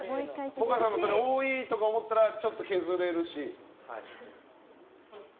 多いとか思ったらちょっと削れるし。